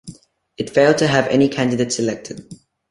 It failed to have any candidates elected.